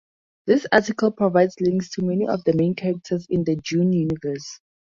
This article provides links to many of the main characters in the "Dune" universe.